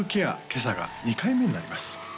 今朝が２回目になります